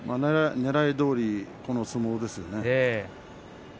ねらいどおりの相撲でしたね。